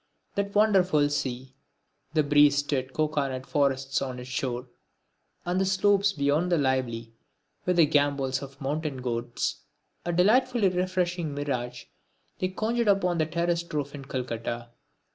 That wonderful sea, the breeze stirred cocoanut forests on its shore, and the slopes beyond lively with the gambols of mountain goats, a delightfully refreshing mirage they conjured up on that terraced roof in Calcutta.